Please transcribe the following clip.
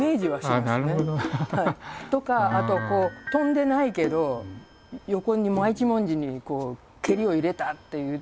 なるほど。とかあと跳んでないけど横に真一文字にこう蹴りを入れたっていう。